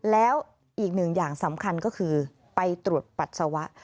แล้วอีกหนึ่งอย่างสำคัญก็คือไปตรวจปัสสาวะ